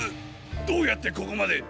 どうやってここまで！？